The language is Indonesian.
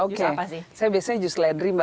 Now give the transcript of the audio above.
oke saya biasanya jus ledri mbak